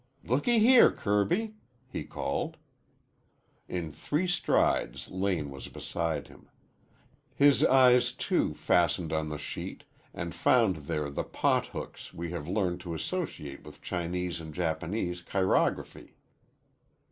"Looky here, Kirby," he called. In three strides Lane was beside him. His eyes, too, fastened on the sheet and found there the pot hooks we have learned to associate with Chinese and Japanese chirography.